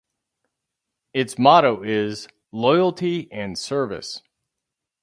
Its motto is "Loyalty and Service".